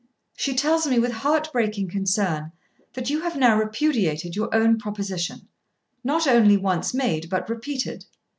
She tells me with heart breaking concern that you have now repudiated your own proposition, not only once made but repeated.